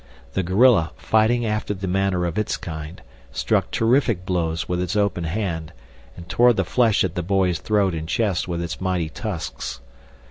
The gorilla, fighting after the manner of its kind, struck terrific blows with its open hand, and tore the flesh at the boy's throat and chest with its mighty tusks.